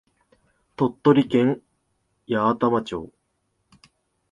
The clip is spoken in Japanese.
鳥取県八頭町